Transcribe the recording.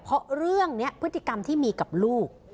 เพราะเรื่องนี้พฤติกรรมที่มีกับลูก